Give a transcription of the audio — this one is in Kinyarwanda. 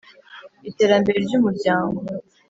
Iterambere ry umuryango